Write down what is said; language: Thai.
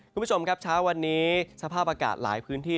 คุณผู้ชมครับเช้าวันนี้สภาพอากาศหลายพื้นที่